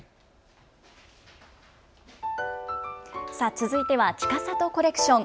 続いてはちかさとコレクション。